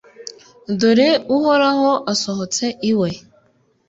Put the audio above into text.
Dore Uhoraho asohotse iwe,